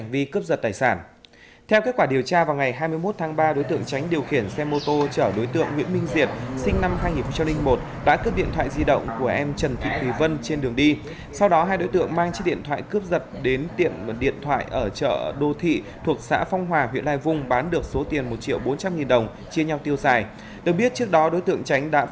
khi cướp giật tài sản cơ quan điều tra công an huyện vũ quang tỉnh hà tĩnh cho biết vào tối qua ngày năm tháng bốn đơn vị đã triển khai lực lượng vây bắt các đối tượng cướp taxi và một số tài sản của lái xe chạy hướng từ nghệ an vào huyện vũ quang tỉnh hà tĩnh